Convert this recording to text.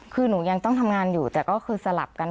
คือหนูยังต้องทำงานอยู่แต่ก็คือสลับกัน